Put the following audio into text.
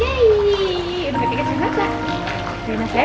udah pake kesen mata